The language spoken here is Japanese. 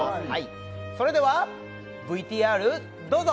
それではＶＴＲどうぞ！